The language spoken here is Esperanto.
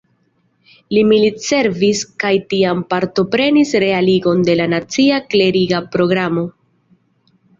Li militservis kaj tiam partoprenis realigon de la nacia kleriga programo.